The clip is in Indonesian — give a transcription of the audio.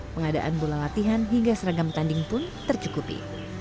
pengadaan bola latihan hingga seragam tanding pun tercukupi